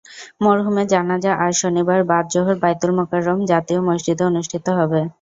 মরহুমের জানাজা আজ শনিবার বাদ জোহর বায়তুল মোকাররম জাতীয় মসজিদে অনুষ্ঠিত হবে।